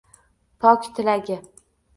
Pok tilagi